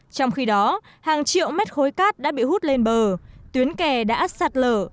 trong khi đó hàng triệu mét khối cát đã bị hút lên bờ tuyến kè đã sạt lở